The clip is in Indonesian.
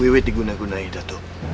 wewet digunagunai dato